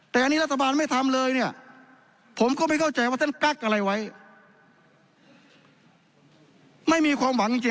แต่อันนี้รัฐบาลไม่ทำเลยเนี้ยผมก็ไม่เข้าใจว่าเซ็นกั๊กอะไรไว้